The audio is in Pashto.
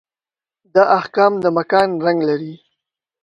دا احکام د مکان رنګ لري.